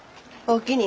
おおきに。